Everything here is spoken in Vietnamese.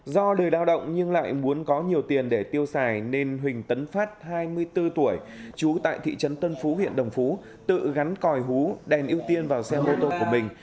do đời lao động nhưng lại muốn có nhiều tiền để tiêu xài nên huỳnh tấn phát hai mươi bốn tuổi trú tại thị trấn tân phú huyện đồng phú tự gắn còi hú đèn ưu tiên vào xe mô tô của mình